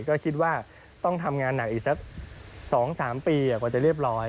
ก็คิดว่าต้องทำงานหนักอีกสัก๒๓ปีกว่าจะเรียบร้อย